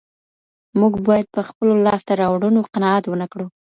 موږ باید په خپلو لاسته راوړنو قناعت ونه کړو.